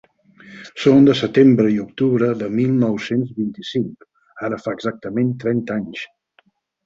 Són de setembre i octubre de mil nou-cents vint-i-cinc, ara fa exactament trenta anys.